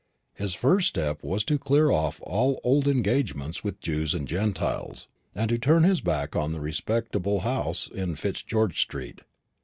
His first step was to clear off all old engagements with Jews and Gentiles, and to turn his back on the respectable house in Fitzgeorge street.